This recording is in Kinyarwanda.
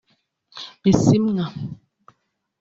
Bisimwa